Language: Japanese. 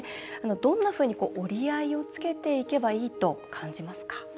どんなふうに折り合いをつけていけばいいと感じますか？